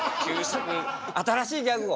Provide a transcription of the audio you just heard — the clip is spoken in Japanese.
新しいギャグを。